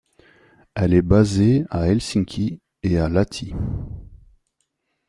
Elle est basée à Helsinki et à Lahti.